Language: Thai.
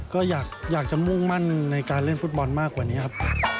ก็อยากจะมุ่งมั่นในการเล่นฟุตบอลมากกว่านี้ครับ